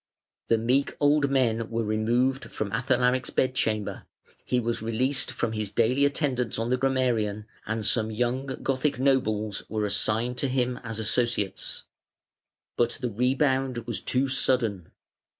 The meek old men were removed from Athalaric's bed chamber; he was released from his daily attendance on the grammarian; and some young Gothic nobles were assigned to him as associates. But the rebound was too sudden.